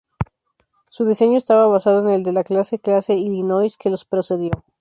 Su diseño estaba basado en el de la clase clase Illinois que los precedió.